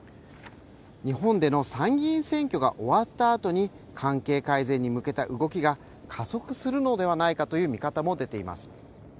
日本での参議院選挙が終わったあとに関係改善に向けた動きが加速するのではないかという見方も出ています。